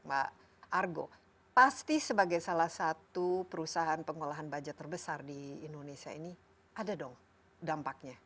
pak argo pasti sebagai salah satu perusahaan pengolahan baja terbesar di indonesia ini ada dong dampaknya